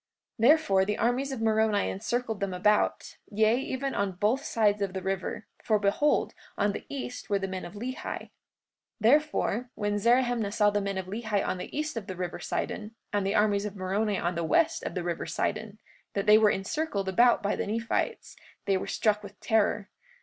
43:52 Therefore the armies of Moroni encircled them about, yea, even on both sides of the river, for behold, on the east were the men of Lehi. 43:53 Therefore when Zerahemnah saw the men of Lehi on the east of the river Sidon, and the armies of Moroni on the west of the river Sidon, that they were encircled about by the Nephites, they were struck with terror.